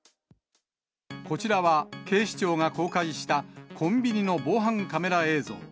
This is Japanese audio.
こちらは警視庁が公開した、コンビニの防犯カメラ映像。